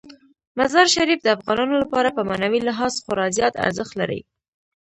مزارشریف د افغانانو لپاره په معنوي لحاظ خورا زیات ارزښت لري.